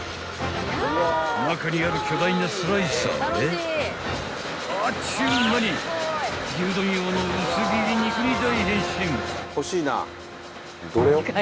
［中にある巨大なスライサーであっちゅう間に牛丼用の薄切り肉に大変身］